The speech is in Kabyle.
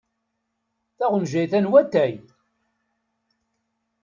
Taɣenjayt-a n watay.